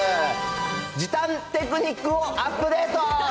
時短テクニックをアップデート。